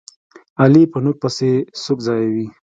علي په نوک پسې سوک ځایوي.